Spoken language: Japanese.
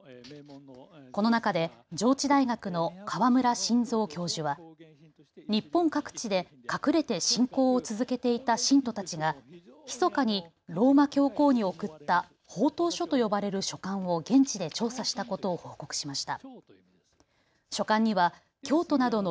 この中で上智大学の川村信三教授は日本各地で隠れて信仰を続けていた信徒たちがひそかにローマ教皇に送った奉答書と呼ばれる書簡を現地で調査したことを報告しました。